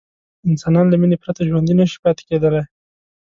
انسانان له مینې پرته ژوندي نه شي پاتې کېدلی.